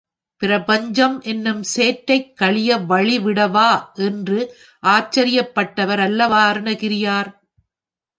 பிரபஞ்சம் என்னும் சேற்றைக் கழிய வழி விட்டவா என்று ஆச்சரியப்பட்டவர் அல்லவா அருணகிரியார்?